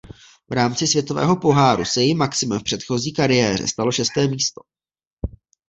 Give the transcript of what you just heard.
V rámci Světového poháru se jejím maximem v předchozí kariéře stalo šesté místo.